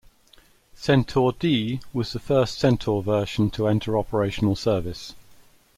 Centaur-D was the first Centaur version to enter operational service.